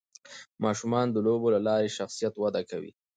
ماشومان د لوبو له لارې شخصیت وده کوي.